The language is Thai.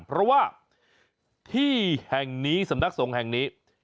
เพราะว่าที่แห่งนี้สำนักสงฆ์แห่งนี้